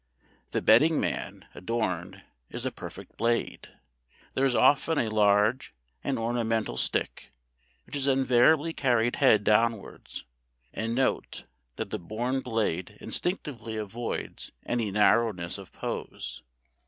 The betting man, adorned, is a perfect Blade. There is often a large and ornamental stick, which is invariably carried head downwards. And note, that the born Blade instinctively avoids any narrowness of pose.